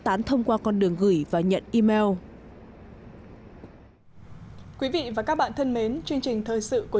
tán thông qua con đường gửi và nhận email quý vị và các bạn thân mến chương trình thời sự của